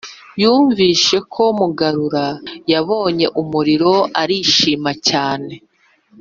yumvise ko mugarura yabonye umuriro arishima cyane.